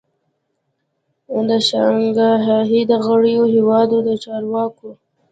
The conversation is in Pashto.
د شانګهای د غړیو هیوادو د چارواکو